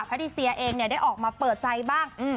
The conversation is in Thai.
ดีเซียเองเนี่ยได้ออกมาเปิดใจบ้าง